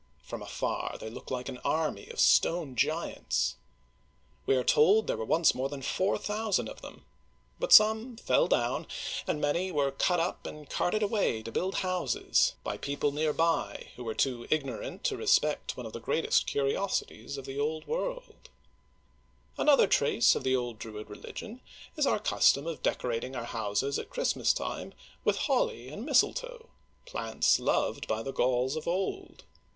From afar they look like an army of stone giants. We are told that there were once more than four thousand of them, but some fell down, and many were cut up and carted away to build houses by people near uigiTizea Dy vjiOOQlC i8 OLD FRANCE Druid Stones at Carnac, Brittany. by, who were too ignorant to respect one of the greatest curiosities of the Old World. Another trace of the old Druid religion is our custom of decorating our houses at Christmas time with holly and mfstletoe — plants loved by the Gauls of old.